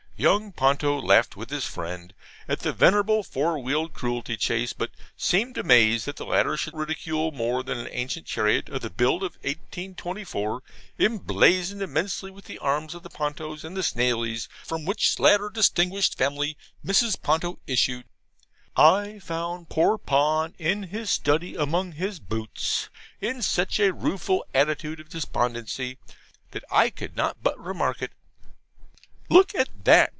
Young Ponto laughed with his friend, at the venerable four wheeled cruelty chaise; but seemed amazed that the latter should ridicule still more an ancient chariot of the build of 1824, emblazoned immensely with the arme of the Pontos and the Snaileys, from which latter distinguished family Mrs. Ponto issued. I found poor Pon in his study among his boots, in such a rueful attitude of despondency, that I could not but remark it. 'Look at that!'